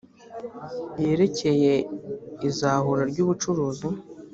yerekeye izahura ry ubucuruzi